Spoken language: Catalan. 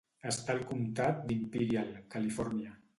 Està al comtat d'Imperial, Califòrnia.